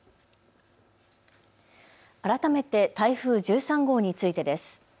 改めて台風１３号についてです。